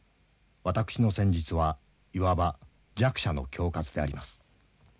私の戦術はいわば弱者の恐喝であります。